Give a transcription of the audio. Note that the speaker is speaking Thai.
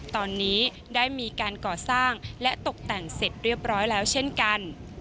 ตอนนี้ได้มีการก่อสร้างและตกแต่งเสร็จเรียบร้อยแล้วเช่นกัน